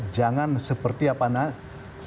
jangan seperti apa namanya